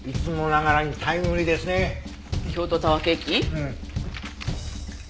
うん。